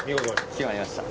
決まりました。